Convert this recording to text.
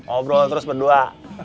obrol terus berdua